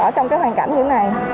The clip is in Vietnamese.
ở trong cái hoàn cảnh như thế này